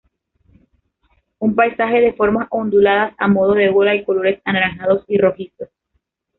Un paisaje de formas onduladas a modo de ola y colores anaranjados y rojizos.